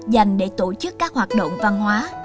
dành để tổ chức các hoạt động văn hóa